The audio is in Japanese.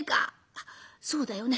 「あっそうだよね。